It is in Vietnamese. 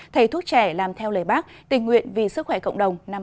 thầy thuốc trẻ làm theo lời bác tình nguyện vì sức khỏe cộng đồng năm hai nghìn hai mươi bốn